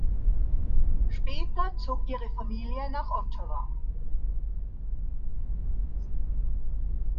Später zog ihre Familie nach Ottawa.